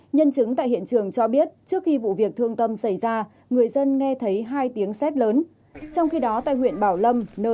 nhân chứng tại hiện trường cho biết trước khi vụ việc thương tâm xảy ra người dân nghe thấy hai tiếng xét lớn